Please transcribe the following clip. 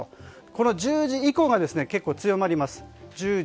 この１０時以降が結構強まります。